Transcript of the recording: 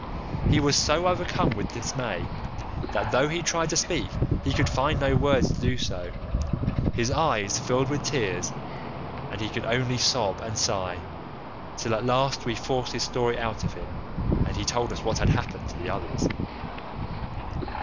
He was so overcome with dismay that though he tried to speak he could find no words to do so; his eyes filled with tears and he could only sob and sigh, till at last we forced his story out of him, and he told us what had happened to the others.